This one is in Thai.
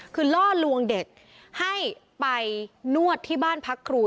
คือล่อลวงเด็กให้ไปนวดที่บ้านพักครู